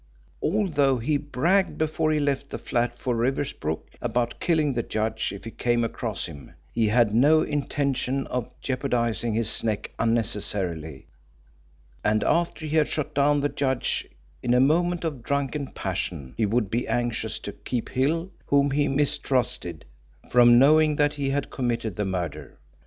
Although he bragged before he left the flat for Riversbrook about killing the judge if he came across him, he had no intention of jeopardising his neck unnecessarily, and after he had shot down the judge in a moment of drunken passion he would be anxious to keep Hill whom he mistrusted from knowing that he had committed the murder.